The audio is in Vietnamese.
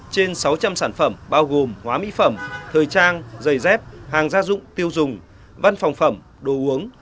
trên sáu trăm linh sản phẩm bao gồm hóa mỹ phẩm thời trang giày dép hàng gia dụng tiêu dùng văn phòng phẩm đồ uống